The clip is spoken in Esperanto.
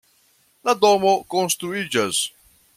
La domo konstruiĝas.